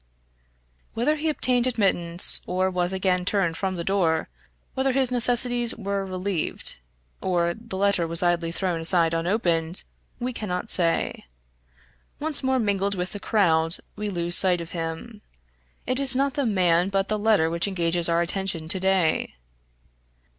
Whether he obtained admittance, or was again turned from the door; whether his necessities were relieved, or the letter was idly thrown aside unopened, we cannot say. Once more mingled with the crowd, we lose sight of him. It is not the man, but the letter which engages our attention to day.